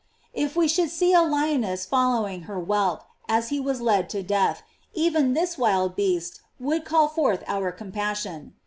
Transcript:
If we should see a lioness following her whelp as he was led to death, even this wild beast would call forth our compassion.